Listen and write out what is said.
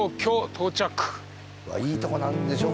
到着いいとこなんでしょ